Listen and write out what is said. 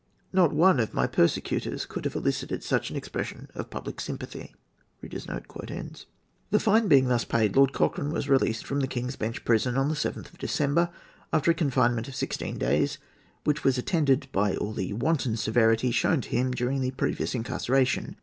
Not one of my persecutors could have elicited such an expression of public sympathy." The fine being thus paid, Lord Cochrane was released from the King's Bench Prison on the 7th of December, after a confinement of sixteen days, which was attended by all the wanton severity shown to him during his previous incarceration.